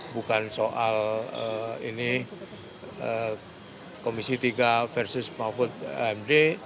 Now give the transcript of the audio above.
bukan soal ini komisi tiga versus mahfud md